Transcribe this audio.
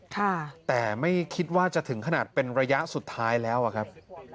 แต่ไม่คิดว่าจะถึงขนาดเป็นระยะสุดท้ายแล้วอะครับ